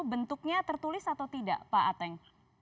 bentuknya tertulis atau tidak pak ateng